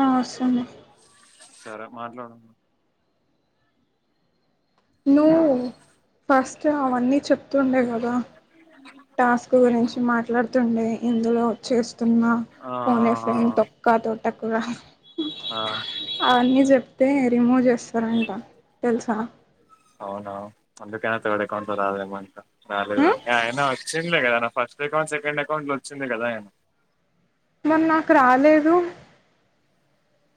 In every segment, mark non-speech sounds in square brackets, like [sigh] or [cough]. అ ఒస్తుంది సరే మాట్లాడు నువ్ ఫస్ట్ అవన్నీ చెప్తుండే కదా టాస్క్ ఏంటి గురించి మాట్లాడుతుండే ఇందులో చేస్తున్న ఆ ఫో నే ఫ్రెండ్ తొక్కా తోటకూర ఆ అవన్నీ చెప్ ప్తే రిమూవ్ చేస్తారంట తెలుసా అవును అందుకే థర్డ్ అకౌట్ లొ రాదేమో ఇంకా రాలె స్ట్ అకౌట్ సెకండ్ అకౌంట్ వచ్చింది కదా మరి నాకు రాలేదు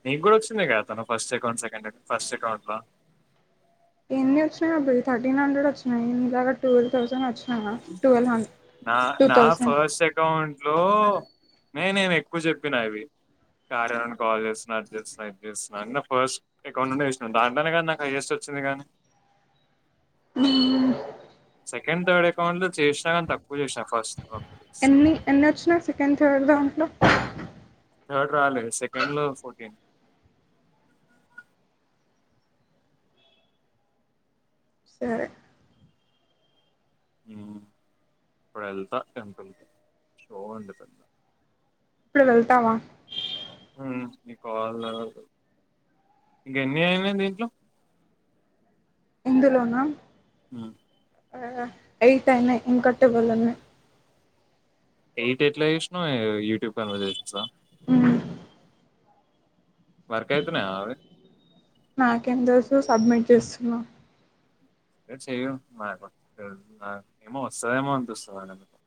నీకు కూడా వచ్చింది కాదా తన first account second account first account లో ఎన్ని వచ్చినయి అబ్బయి థర్టీన్ హండ్రెడ్ వచ్చినయి ఇలాగా ట్వల్ థౌసండ్ వచ్ నా నా థౌసండ్ ఫస్ట్ అకౌంట్లు నేనేం ఎక్కువ చెప్పినా ఇవి కార్యా నుండి కాల్ చేస్తున్న అది చేస్తున్న ఇది చేస్తున్న న ఫస్ట్ అకౌంట్ నుండే చేశినా దాంట్లనే నాకు హైయెస్ట్ వచ్ చింది గాని ఉమ్మ్ సెకండ్ థర్డ్ అకౌంట్ లో చేష్నా కాని తక్కువ చేసిన ఫస్ట్ అ ఎన్ని ఎన్ని అచ్చినాయి సెకండ్ థర్డ్ దాంట్లో థర్డ్ రాలె సెకండ్ లో ఫోర్టీన్ సరె ఉమ్ ఇప్పుడెళ్తా టెంపుల్కి షో ఉంది పెద్ద ఇప్పుడు వెళ్తావా ఉమ్ ఇ కాల్ ఇంక ఎన్ని అయినయి దీంట్లో ఇందులోనా ఉ ఆ ఎయిటయినయ్ ఇంకా ట్వెల్వ్ ఉన్నాయ్ ఎయిట్ ఎట్ల చేష్నవ్ యూట్యూబ్ ఛానల్ చూస [inaudible] ఉమ్ వర్కయితున్నయా అవి నాకేం తెలుసు సబ్మిట్ చేస్తున్నా సరే చెయ్యు ఆ అకౌంట్ నాకు ఏమో వస్తదేమో అనిపిస్తుంది నాకెందుకో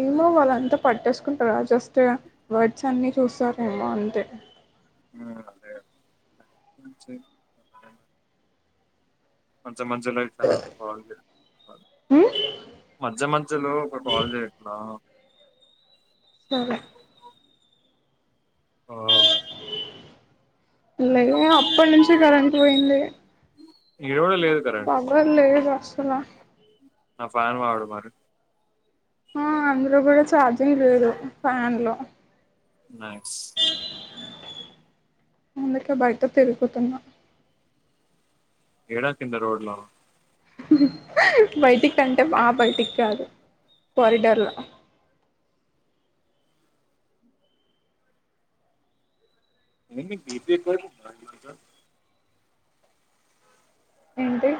ఏమో వాళ్ళంతా పట్టేసుకుంటరా జస్ట్ వర్డ్స్ అన్ని చూస్తరేమో అంతే ఉమ్ అదే అదే బయట్నుంచి [inaudible] [unintelligible] [unintelligible] అంత మంచిగ లేదు నాకు ఆరోగ్యం ఉమ్ మజ్జ మజ్జలో ఒక కాల్ చేయట్లా సరె ఆ లే అప్పట్నుంచి కరెంట్ పోయింది ఈడ కూడా లేదు కరెంట్ పవర్ లేదు అస్సల నా ఫ్యాన్ వాడు మరి ఆ అందులో కూడ ఛార్జింగ్ లేదు ఫ్యాన్లో నైస్ అందుకే బయట తిరుగుతున్న ఏడ కింద రోడ్లో నా హు హు హ్ బైటికంటే ఆ బైటిక్కాదు కారిడార్ల ఏంది నిక్ బీపీ ఎక్కువైతుందా ఈరోజు ఏంటి?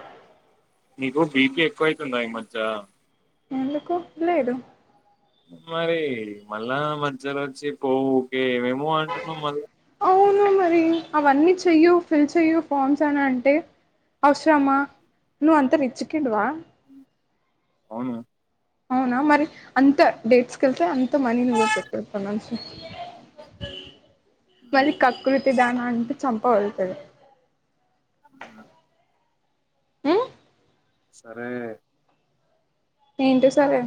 నీకు బీపీ ఎక్కువ అయితుందా ఈ మజ్జ ఎందుకు లేదు మరి మళ్ళా మజ్జలోచ్చి పో ఊకే ఏమేమో అంటున్నవ్ మళ్ళ అవును మరి అవన్నీ చెయ్యూ ఫిల్ చెయ్యూ ఫార్మ్సని అంటె అవ్సరమా నువ్వంత రిచ్ కిడ్వా అవును అవునా మరి అంత డేట్స్కెల్తే అంత మనీ నువ్వే పెట్టు ఇప్పట్నుంచి ఉమ్, మళ్లి కకృతి దాన అంటే చెంపవగుల్తది ఉమ్ ఉమ్ సరే ఏంటి సరె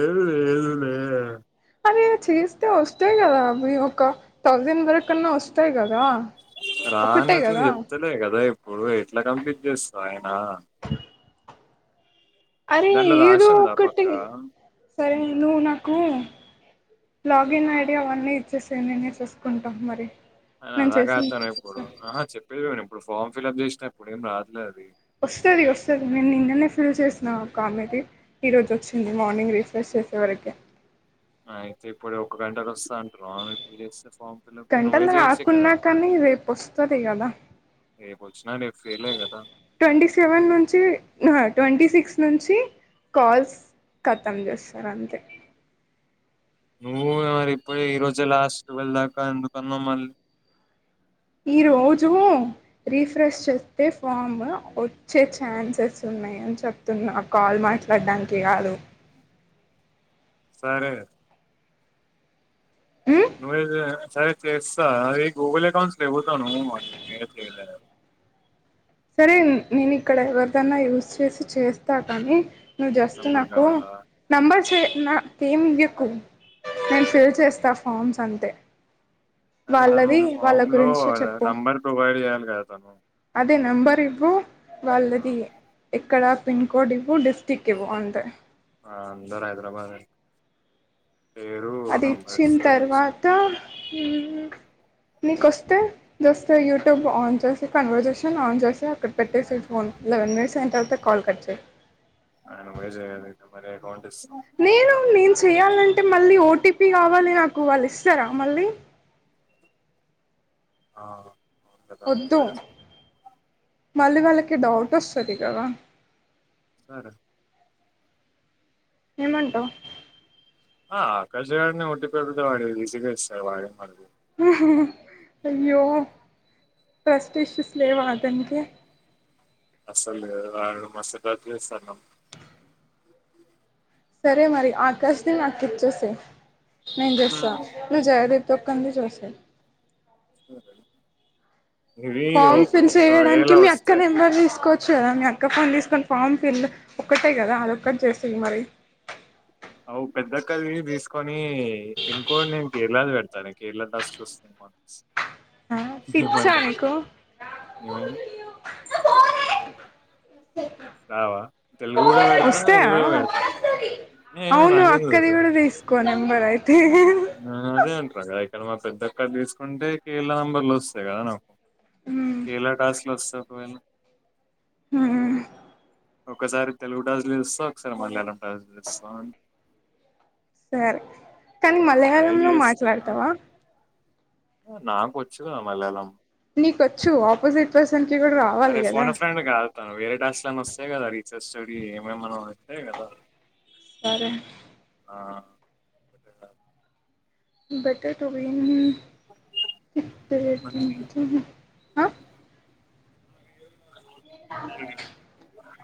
ఏం లేదు లేదు లేదు కద మరి చేస్తే వస్తయి కదా అవి ఒక థౌజండ్ వరకన్నా వస్తయి కదా ఒకటే రాన్నట్లు కదా చెప్తలే కద ఇప్పుడు ఎట్ల కంప్లీట్ చేస్త అయినా అరే ఏదో రాసిందా పక్క ఒక్కటి సరె నువ్వు నాకు లాగిన్ ఐడి అవన్నీ ఇచ్చేసై నేనె చూసుకుంట మరి ఆ నేను అలాగ చేసి నీకు ఇచ్చేస్తా అతనిప్పుడు ఆహ చెప్పేదిను ఇప్పుడు ఫామ్ ఫిలిప్ చేసినప్పుడే ఏం రాట్లేదది వస్తది వస్తది నేను నిన్ననే ఫిల్ చేసిన ఒకామెది ఈ రోజు వచ్చింది మార్నింగ్ రిఫ్రెష్ చేసేవరకి అయితిప్పుడు ఒక గంటకొస్తది అంటరు అవును ఇప్పుడు చేస్తే ఫామ్ ఫిల్అప్ నువ్వే గంటల చేయొచ్చు కదా రాకున్నా కానీ రేపోస్తది కదా రేపోచ్చినా నేన్ ఫెయిలే కదా ట్వంటీ సెవెన్ నుంచి హ ట్వంటీ సిక్స్ నుంచి కాల్స్ కతం చేస్తర అంతె నువ్వు గా మరి ఇప్పుడే ఈ రోజే లాస్ట్ టువెల్ దాకా ఎందుకన్నావ్ మళ్ ఈ రోజు రిఫ్రెష్ చేస్తే ఫామ్ వచ్చే ఛాన్సెస్ ఉన్ ఉన్నాయని చెప్తున్నా కాల్ మాట్లాడ్డానికి కాదు సరే ఉమ్ నువ్ ఏదో సరే చేస్తా అది గూగుల్ అకౌంట్స్ లేపోతా నువె లే [unintelligible] సరే నేనిక్కడ ఎవరిదైనా యూస్ చేసి చేస్తా కాని నువ్వు జస్ట్ నంబర్ నాకు కావాలా నంబర్ చే నా కేమ్ ఇయ్యకు నేను మరి ఫిల్ చేస్తా ఫార్మ్స్ అంతే అరే తను వాళ్ళది వాళ్ళ ఫామ్ లో గురించి చెప్పు నంబర్ ప్రొవైడ్ చేయాలి కదా తను తే నంబర్ ఇవ్వు ఆ, వాళ్ళది ఎక్కడ పిన్ కోడ్ ఇవు డిస్టిక్ ఇవ్వు అంతే ఆ అందర్ హైదరాబాద్ ఏ అది ఇచ్చిన్ తర్వాత ఉమ్ నీ కొస్తే జస్ట్ యూట్యూబ్ ఆన్ చేసి కన్వర్సేషన్ ఆన్ చేసి అక్కడ పెట్టేసెయ్ ఫోన్ లెవెన్ మినిట్స్ అయిన తర్వాత కాల్ కట్చెయ్ అయినా నువ్వే జేయాలి మరి అకౌంట్ ఇస్సే లేదు నేను చెయాలంటే మళ్ళీ ఓటీపీ కావాలి నాకు వాళ్ళు ఇస్తరా మళ్ళీ ఆ అవును కదా వద్దు సరే సరే మళ్ళీ వాళ్ళకి డౌట్ వస్తది కదా సరే ఏమంటవ్ ఆ ఆకాశగాడినే ఓటీపీ అడిగితే వాడే ఈసి గ ఇస్తాడు వాడే మనకి ఉమ్ హ్ అయ్యో ట్రస్ట్ ఇష్యూస్ లేవా అతనికి అస్సలు లేదు ఆడు మస్తు తగ్లీస్తన్నం సరే మరి ఆకాష్ ని నాకు ఇచ్చేసేయ్ నేను చేస్తా నువ్వు జగే తొక్కంది చూస్తాయి ఇవి ఫామ్ ఫిల్ ఒకవేళ చేయడానికి మీ అక్క వస్తే నెంబర్ తీసుకో చ్చు కదా మీ అక్క ఫోన్ తీసుకొని ఫామ్ ఫిల్ ఒక్కటే కదా అదొక్కటి చేసేయ్ మరి అవు పెద్దక్కది తీసుకొని పిన్ కోడ్ నేన్ కేరళది వెడ్ తను కేర్ల టాస్క్లు వస్తాయి మక్స్ ఆ పిచ్చా నీకు ఏమైంది రావా తెలుగు కూడా పెడతా వస్తయ ఇది కూడా పెడతా ఏమో అవును నాకేం అక్కది తెలుసు కూడా తీస్కో నెంబర్ అయితే ఆ అదే అంటారు కదా ఇక్కడ మా పెద్దక్కది తీసుకుంటే కీల్ల నెంబర్లోస్తాయి కదా నాకు ఉమ్ కీళ్ల టాస్క్లొస్తే ఒకవేల ఉహు ఒకసారి తెలుగు టాస్కూల్ ఇస్తా ఒకసారి మలయాళం టాస్కూల్ ఇస్తా అని సరే కానీ మలయాళంలో మాట్లాడుతవా ఓ నాకోచ్చు గా మల్యాలం నీకొచ్చు ఆపోజిట్ పర్సన్ కి కూడా రావాలి కదా తన వేరే టాస్క్ లన్న వస్తాయి కదా రీసెర్చ్ స్టడీ ఏమేమన్న వస్తాయి కదా సరే ఆ బెటర్ టువి ఆ [unintelligible]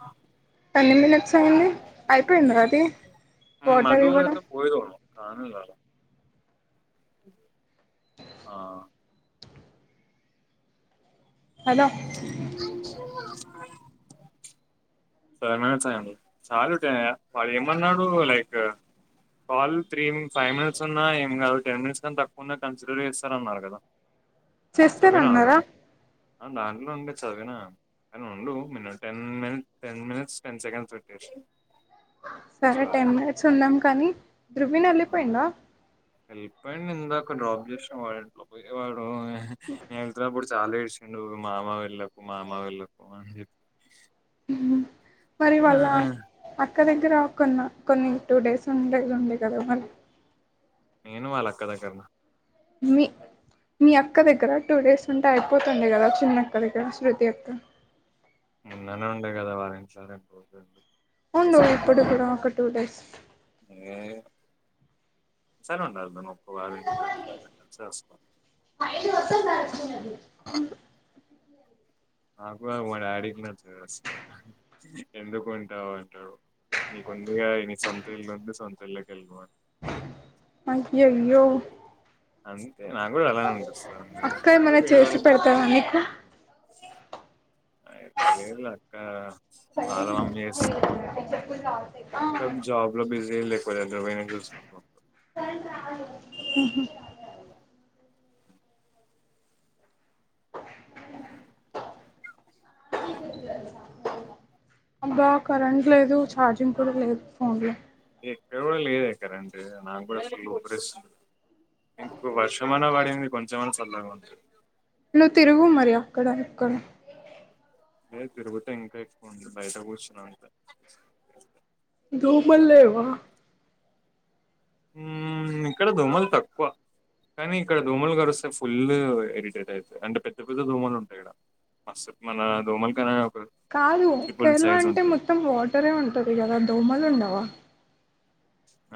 ఎన్ని మినిట్స్ అయింది అయిపోయిందది వాటర్ ఇవ్వడం కానులారా ఆ హలో [unintelligible] ఫైవ్ మినిట్స్ అయింది చాలు ద్ వాడు ఏమన్నాడు like call three five minutes ఉన్నా ఏం గాదు టెన్ మినిట్స్ కాన్ తక్కువ ఉన్నా కన్సిడర్ చేస్తాన్నానరు గదా చేస్తానన్నారా ఆ దాంట్లో ఉండే చదివినా కానీ ఉండు minute and minute ten minutes ten seconds పెట్టేసేయ్ సరే టెన్ మినిట్స్ ఉందం కానీ రుకగిన్ ఆ, వెళ్ళిపోయీడా వెళ్ళిపోయింది ఇందాక డ్రాప్ చేసినాం వాల్ ఇంట్లో పోయ వాడు నేను వెళ్తునప్పుడు చాలా ఏడ్చిండు మామ వెళ్ళకు మామ వెళ్ళకు అన్ జెప్పి మరి వాళ్ళ అత్ క్క దగ్గర కొన్నా కొన్ని టూ డేస్ ఉండే దుండే గదా మరి నేను వాల్ అక్క దగ్గర్నా మీ మీ అక్క దగ్గర టూ డేస్ ఉంటే అయిపోతుండే గదా చిన్నక్క దగ్గర శృతి అక్క మోన్ననే ఉండే కదా వారిఛాన్ ఉండు ఇప్పుడు కూడా ఒక టూ డేస్ అస్సలు ఉండను [unintelligible] ఫైల్ ఒక్కటి మార్చుకున్నది నాకు గద్ మా డాడీకి నచ్చదు అసలు ఎందుకు ఉంటావ్ అంటాడు నీకుందిగా నీ సొంత ఇళ్ళుంది సొంత ఇళ్ళకి వెళ్ళిపో అంటాడు అయ్యయ్యో నాక్ గూడా అలానే అనిపిస్తాది ఎందుకె అక్క ఎందుకు ఏమైనా చేసి వేరేవాళ్ళింటికెళ్లి పెడతావా నీకు అయితే లేదు ఇగ అక్క ఆగమాగం చేస్తూ పక్క జాబ్ లో బిజీ లేకపోతే చూసుకుంటా ఉహ్ అబ్బా కరెంట్ లేదు ఛార్జింగ్ కూడా లేదు ఫోన్ లో ఇక్కడ గూడా లేదే కరెంట్ నా గూడా ఫుల్లు ఉభరిస్తుంది మీకు వర్షమాన వాడింది కొంచం మన్నా చల్లగూన్ నువ్ తిరుగు మరి అక్కడ అక్కడ ఏ తిరుగుతే ఇంకా ఎక్కువ ఉంది బయట కూర్చున్న అంత దోమలు లేవా ఉమ్ ఇక్కడ దోమలు తక్కువ కానీ ఇక్కడ దోమలు కరుస్తే ఫుల్ ఎరిటేట్ అయితది అంటే పెద్ద పెద్ద దోమలు ఉంటాయి ఇడ అసల్ మన దోమల్ కనే కాదు కేరళ అంటే మొత్తం వాటరే ఉంటది గదా దోమలు ఉండవా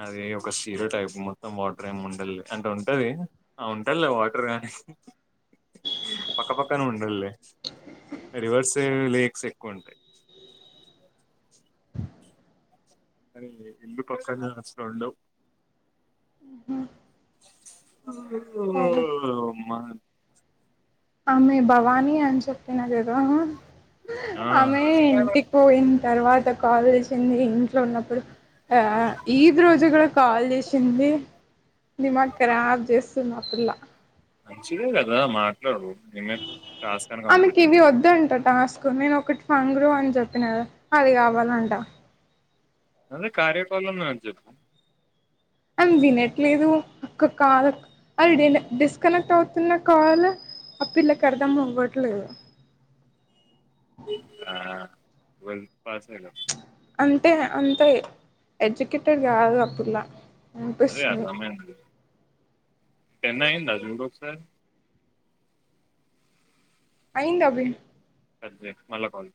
అది ఒక సీరో టైప్ మొత్తం వాటర్ ఏం ఉండాద్లే అంటే ఉంటది ఆ ఉంటద్లే వాటర్ గాని పక్క పక్కనే ఉండదలే రివర్స్ లేక్స్ ఎక్కువుంటాయి అరే ఇళ్లు పక్కనే కష్టం ఉండలెవ్ హ సరే మ ఆమె భవానీ అన్ చెప్పిన గదా హ ఆ ఆమె ఇంటికి పోయిన తర్వాత కాల్ జేసింది ఇంట్లో ఉన్నప్పుడు ఆ ఈద్ రోజుగా కాల్ జేసింది ధీమాక్ ఖరాబ్ జేస్తుందా పిల్ల మంచిదే గదా మాట్లాడు నిన్నటి టాస్క్ అని ఆమెకి కంప్లీట్ ఇవి అవుతుంది వద్దంట టాస్క్ నేను ఒకటి ఫంగరు అని జేప్పిన గదా అది కావాలంట అది కార్యకోలంన్న చేప్పు అని తినట్లేదు అక్క కాల అది డిలే డిస్కనెక్ట్ అవుతున్న కాల్ ఆ పిల్లకి అర్ధం అవ్వట్లేదు ఆ ట్వల్వ్ పాస్ ఐన అంటే అంతే ఎడ్యుకేటెడ్ గాదు ఆ పిల్ల అవ్వే అ అనిపిస్తుంది రమ్మేయన్ టెన్ అయిందా జూడు ఒకసారి అయింది అభి కట్ జేయ్ మళ్ళా కాల్